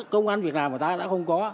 công an việt nam của ta đã không có